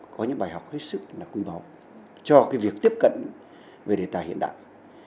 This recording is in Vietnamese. có những bài học hết sức là quý báu cho việc tiếp cận về đề tài hiện đại